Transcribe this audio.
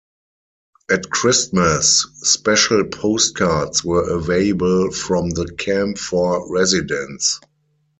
At Christmas, special postcards were available from the camp for residents.